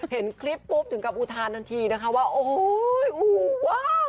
เห็นคลิปปุ๊บถึงกับอุทานทันทีนะคะว่าโอ้โหว้าว